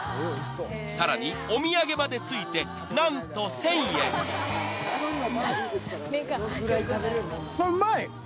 ［さらにお土産までついて何と１，０００円］うまい！